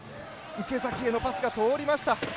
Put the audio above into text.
池崎へのパスが通りました。